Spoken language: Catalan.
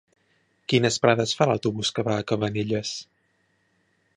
Quines parades fa l'autobús que va a Cabanelles?